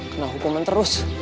kenal hukuman terus